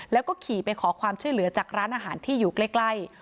แล้วก็ขี่ไปขอความช่วยเหลือจากร้านอาหารที่อยู่ใกล้